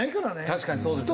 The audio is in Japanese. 確かにそうですよね。